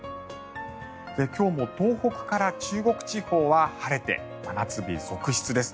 今日も東北から中国地方は晴れて真夏日続出です。